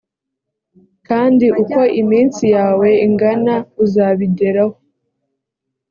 kandi uko iminsi yawe ingana uzabigereho.